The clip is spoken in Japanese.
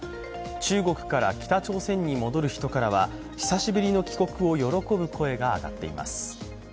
中国から北朝鮮に戻る人からは久しぶりの帰国を喜ぶ声が上がっています。